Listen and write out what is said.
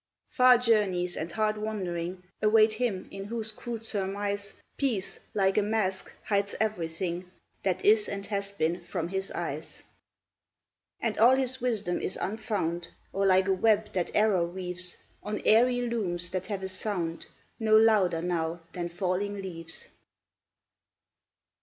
Far journeys and hard wandering Await him in whose crude surmise Peace, like a mask, hides everything That is and has been from his eyes; And all his wisdom is unfound, Or like a web that error weaves On airy looms that have a sound No louder now than falling leaves.